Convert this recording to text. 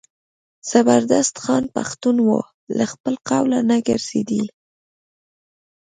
زبردست خان پښتون و له خپله قوله نه ګرځېدی.